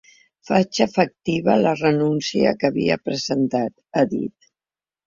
Faig efectiva la renúncia que havia presentat, ha dit.